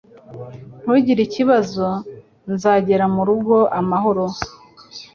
Ntugire ikibazo. Nzagera mu rugo amahoro